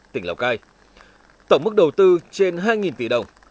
tỉnh lào cai tổng mức đầu tư trên hai tỷ đồng